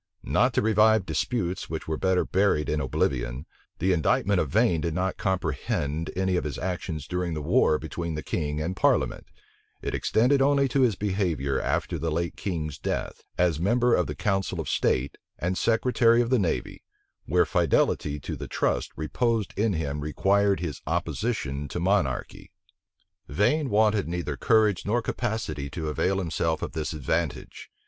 Not to revive disputes which were better buried in oblivion, the indictment of Vane did not comprehend any of his actions during the war between the king and parliament: it extended only to his behavior after the late king's death, as member of the council of state, and secretary of the navy, where fidelity to the trust reposed in him required his opposition to monarchy. Vane wanted neither courage nor capacity to avail himself of this advantage.